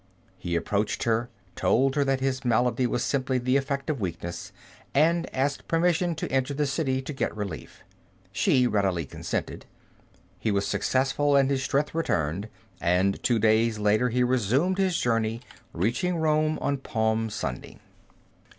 He approached her, told her that his malady was simply the effect of weakness, and asked permission to enter the city to get relief. She readily consented. He was successful and his strength returned, and two days later he resumed his journey, reaching Rome on Palm Sunday.